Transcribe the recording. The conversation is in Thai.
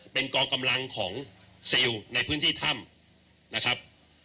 เป็นกองกำลังของซิลในพื้นที่ถ้ำนะครับ